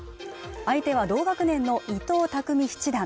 相手は同学年の伊藤匠七段